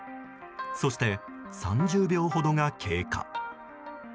そして、３０秒ほどが経過。